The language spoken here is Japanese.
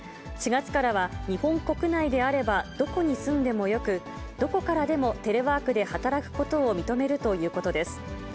４月からは、日本国内であれば、どこに住んでもよく、どこからでもテレワークで働くことを認めるということです。